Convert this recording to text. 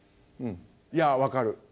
いや分かる。